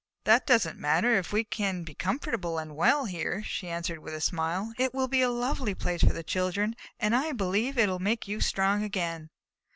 "That does not matter if we can be comfortable and well here," she answered with a smile. "It will be a lovely place for the children, and I believe it will make you strong again."